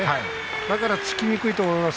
だから突きにくいと思います。